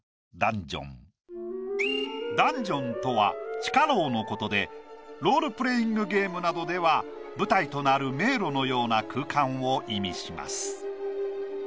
「ダンジョン」とは地下牢のことでロールプレイングゲームなどでは舞台となる迷路のような空間を意味します。